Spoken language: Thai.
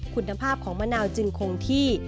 คุณภาพของมะนาวจึงคงที่